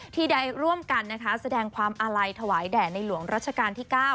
ที่ได้ร่วมกันนะคะแสดงความอาลัยถวายแด่ในหลวงรัชกาลที่๙